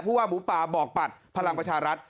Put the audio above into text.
ว่าหมูป่าบอกปัดพลังประชารัฐ